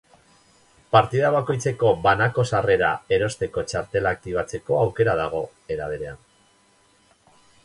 Partida bakoitzeko banako sarrera erosteko txartela aktibatzeko aukera dago, era berean.